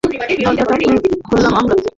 দরজাটা খুললাম আমরা!